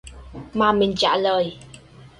Mà mình trả lời